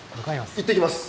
いってきます。